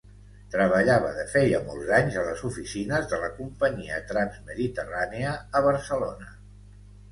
Treballava de feia molts anys a les oficines de la companyia Transmediterránea, a Barcelona.